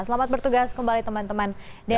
selamat bertugas kembali teman teman